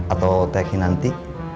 atau tehkin nanti